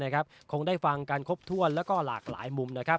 คงได้ฟังกันครบถ้วนและหลากหลายมุม